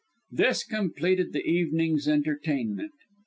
This completed the evening's entertainment.